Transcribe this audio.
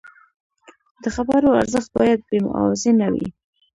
د خبرو ارزښت باید بې معاوضې نه وي.